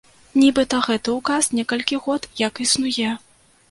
Нібыта гэты ўказ некалькі год як існуе.